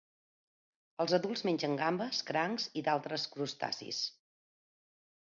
Els adults mengen gambes, crancs i d'altres crustacis.